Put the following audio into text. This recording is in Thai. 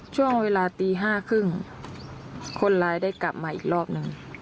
ช่วงเวลาตี๕๓๐คนร้ายได้กลับมาอีกรอบหนึ่ง